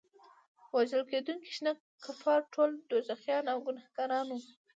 وژل کېدونکي شنه کفار ټول دوزخیان او ګناهګاران وو.